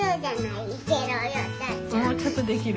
もうちょっとできる？